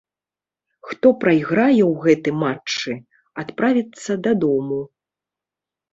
Хто прайграе ў гэтым матчы, адправіцца дадому.